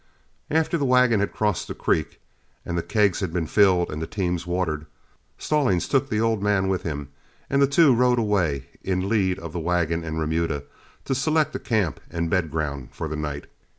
After the wagon had crossed the creek, and the kegs had been filled and the teams watered, Stallings took the old man with him and the two rode away in the lead of the wagon and remuda to select a camp and a bed ground for the night.